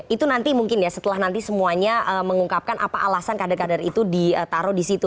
itu nanti mungkin ya setelah nanti semuanya mengungkapkan apa alasan kader kader itu ditaruh di situ